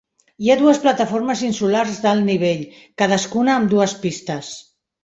Hi ha dues plataformes insulars d'alt nivell, cadascuna amb dues pistes.